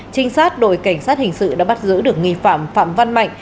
trinh sát đội cảnh sát hình sự đã bắt giữ được nghi phạm phạm văn mạnh